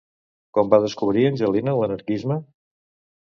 Com va descobrir Angelina l'anarquisme?